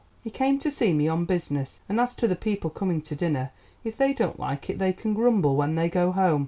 "He came to see me on business, and as to the people coming to dinner, if they don't like it they can grumble when they go home.